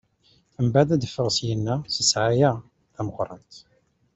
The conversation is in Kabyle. Mbeɛd ad d-ffɣen syenna s ssɛaya tameqrant.